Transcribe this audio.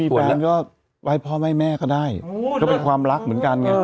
แฟนก็ไว้พ่อแม่ก็ได้ก็เป็นความรักเหมือนกันไง